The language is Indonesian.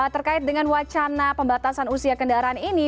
terkait dengan wacana pembatasan usia kendaraan ini